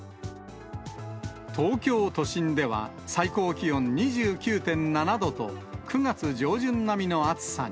東京都心では、最高気温２９．７度と、９月上旬並みの暑さに。